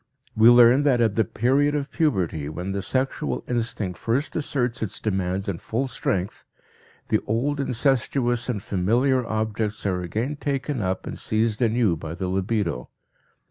We learn that at the period of puberty, when the sexual instinct first asserts its demands in full strength, the old incestuous and familiar objects are again taken up and seized anew by the libido.